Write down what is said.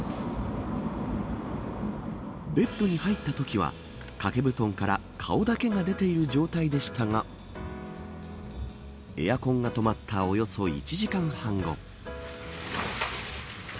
ベッドに入ったときは掛け布団から顔だけが出ている状態でしたがエアコンが止まったおよそ１時間半後。